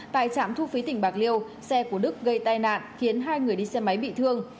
tại trạm thu phí tỉnh bạc liêu xe của đức gây tai nạn khiến hai người đi xe máy bị thương